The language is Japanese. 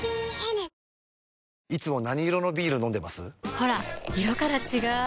ほら色から違う！